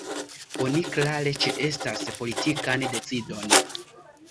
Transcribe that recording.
Oni klare ĉeestas politikan decidon.